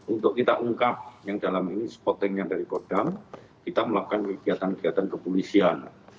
untuk kita ungkap yang dalam ini spottingnya dari kodam kita melakukan kegiatan kegiatan kepolisian